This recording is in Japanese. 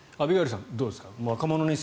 アビガイルさんどうですか？